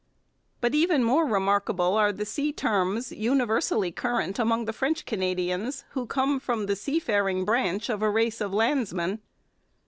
But even more remarkable are the sea terms universally current among the French Canadians, who come from the seafaring branch of a race of landsmen.